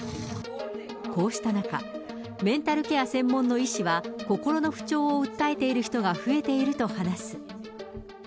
こうした中、メンタルケア専門の医師は、心の不調を訴えている人が増えていると話す。